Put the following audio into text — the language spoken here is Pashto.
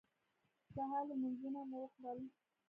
د سهار لمونځونه مو وکړل.